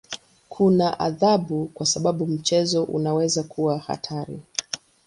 Kuna adhabu kwa sababu mchezo unaweza kuwa hatari.